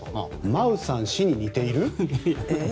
マウサン氏に似ている？